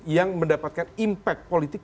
yang mendapatkan impact politik